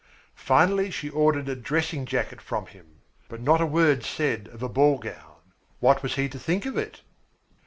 Finally she ordered a dressing jacket from him but not a word said of a ball gown. What was he to think of it?